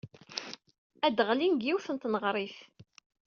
Ad d-ɣlin deg yiwet n tneɣrit.